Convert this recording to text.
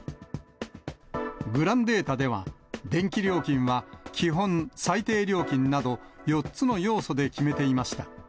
グランデータでは、電気料金は、基本、最低料金など、４つの要素で決めていました。